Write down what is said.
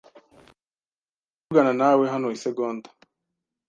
Nshobora kuvugana nawe hano isegonda?